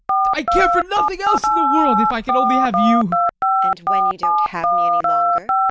I care for nothing else in the world if I can only have you! TEKLA. And when, you don't have me any longer?